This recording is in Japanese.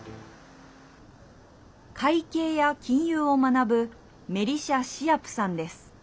会計や金融を学ぶメリシャ・シアプさんです。